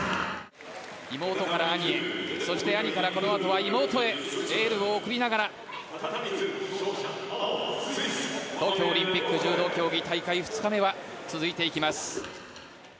妹から兄へそして兄からこのあと妹へエールを送りながら東京オリンピック柔道競技大会２日目は続いていきます。